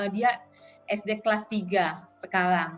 dia sd kelas tiga sekarang